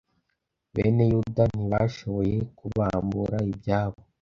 bene yuda ntibashoboye kubambura ibyabo